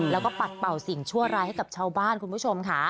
แล้วก็ปัดเป่าสิ่งชั่วร้ายให้กับชาวบ้านคุณผู้ชมค่ะ